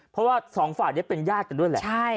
เพราะว่าสองฝ่ายนี้เป็นญาติกันด้วยแหละ